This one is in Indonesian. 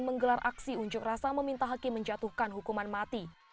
menggelar aksi unjuk rasa meminta hakim menjatuhkan hukuman mati